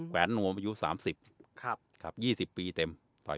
แขวนมืออายุ๓๐บาท๒๐ปีเต็ม